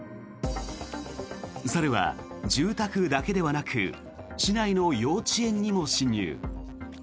猿は住宅だけではなく市内の幼稚園にも侵入。